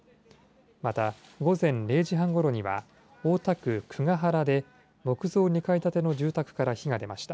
また、午前０時半ごろには大田区久が原で木造２階建ての住宅から火が出ました。